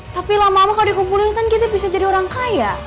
tapi lama lama kalau dikumpulin kan kita bisa jadi orang kaya